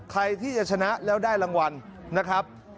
ใครที่จะชนะแล้วได้รางวัลนะครับ